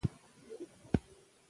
ټول خلک مشر ته سترګې پۀ لار دي ـ